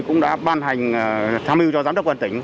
cũng đã ban hành tham dự cho giám đốc quân tỉnh